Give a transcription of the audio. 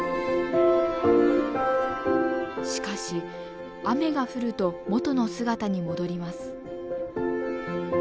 しかし雨が降ると元の姿に戻ります。